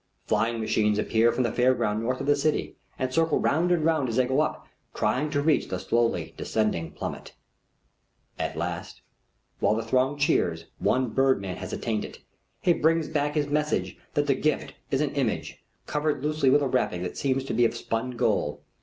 Flying machines appear from the Fair Ground north of the city, and circle round and round as they go up, trying to reach the slowly descending plummet. At last, while the throng cheers, one bird man has attained it. He brings back his message that the gift is an image, covered loosely with a wrapping that seems to be of spun gold.